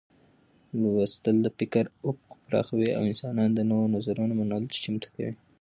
لوستل د فکر افق پراخوي او انسان د نوو نظرونو منلو ته چمتو کوي.